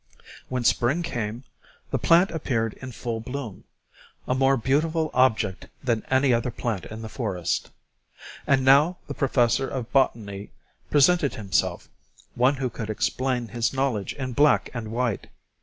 When spring came, the plant appeared in full bloom: a more beautiful object than any other plant in the forest. And now the professor of botany presented himself, one who could explain his knowledge in black and white.